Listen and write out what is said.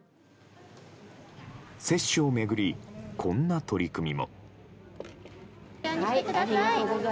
接種を巡り、こんな取り組みも。